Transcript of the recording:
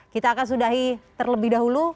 kita akan sudahi terlebih dahulu